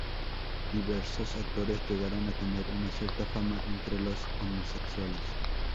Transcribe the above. Diversos autores llegaron a tener una cierta fama entre los homosexuales.